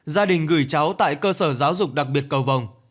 gia đình gửi cháu tại cơ sở giáo dục đặc biệt cầu vòng